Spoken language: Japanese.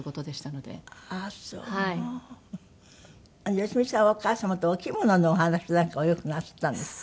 良美さんはお母様とお着物のお話なんかをよくなすったんですって？